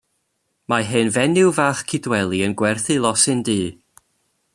Mae hen fenyw fach Cydweli yn gwerthu losin du.